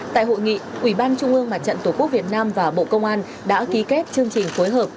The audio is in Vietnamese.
tại hội nghị ủy ban trung ương mặt trận tổ quốc việt nam và bộ công an đã ký kết chương trình phối hợp